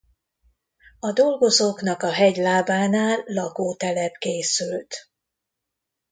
A dolgozóknak a hegy lábánál lakótelep készült.